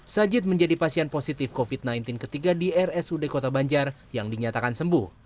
sajid menjadi pasien positif covid sembilan belas ketiga di rsud kota banjar yang dinyatakan sembuh